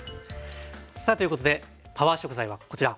さあということでパワー食材はこちら。